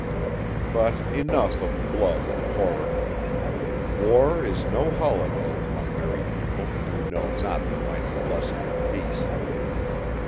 But enough of blood and horror. War is no holiday, my merry people, who know not the mighty blessing of peace.